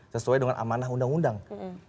sesuai dengan amanah undang undang itu loh